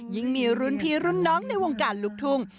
ยิ่งมีรุ่นพี่รุ่นน้องในวงการลูกทุ่ง